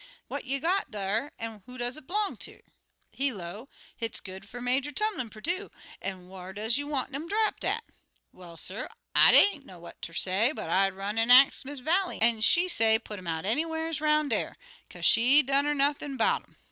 What you got dar, an' who do it 'blong ter?' He low, 'Hit's goods fer Major Tumlin Perdue, an' whar does you want um drapped at?' Well, suh, I ain't know what ter say, but I run'd an' ax'd Miss Vallie, an' she say put um out anywheres 'roun' dar, kaze she dunner nothin' 'bout um.